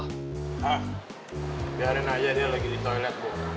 hah biarin aja dia lagi di toilet gua